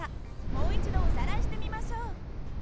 もう一度おさらいしてみましょう。